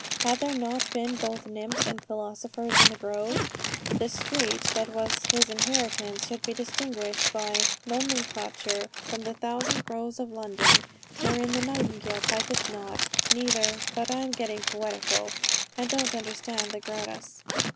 Had there not been both nymphs and philosophers of the grove? The street that was his inheritance should be distinguished by nomenclature from the thousand groves of London, wherein the nightingale pipeth not, neither but I am getting poetical, and don't understand the Gradus.